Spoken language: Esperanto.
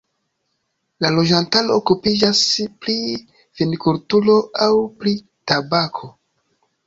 La loĝantaro okupiĝas pri vinkulturo aŭ pri tabako.